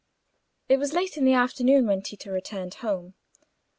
It was late in the afternoon when Tito returned home.